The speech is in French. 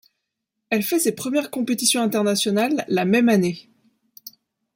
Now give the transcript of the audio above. Elle fait ses premières compétitions internationales la même année.